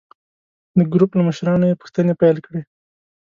د ګروپ له مشرانو یې پوښتنې پیل کړې.